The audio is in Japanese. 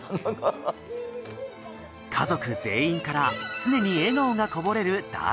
カゾク全員から常に笑顔がこぼれるだー